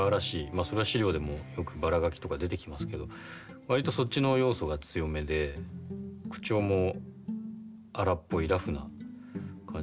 あそれは史料でもよくバラガキとか出てきますけど割とそっちの要素が強めで口調も荒っぽいラフな感じの人になってるんじゃないですかね。